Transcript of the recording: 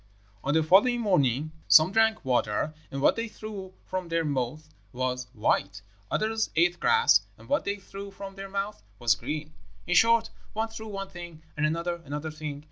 "On the following morning some drank water, and what they threw from their mouths was white; others ate grass, and what they threw from their mouths was green. In short, one threw one thing, and another another thing.